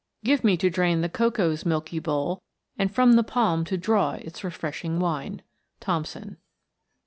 HP " Give me to drain the cocoa's milky bowl, And from the palm to draw its freshening wine." THOMSON.